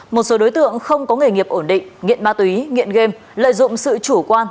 một số đối tượng không có nghề nghiệp ổn định nghiện ma túy nghiện game lợi dụng sự chủ quan